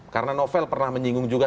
karena novel pernah menyinggung juga